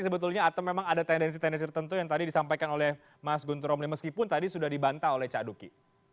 jadi sebetulnya atau memang ada tendensi tendensi tertentu yang tadi disampaikan oleh mas gunther romli meskipun tadi sudah dibantah oleh kak duki